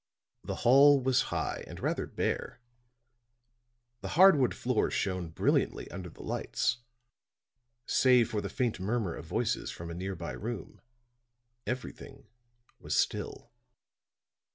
The hall was high and rather bare: the hardwood floor shone brilliantly under the lights; save for the faint murmur of voices from a near by room, everything was still.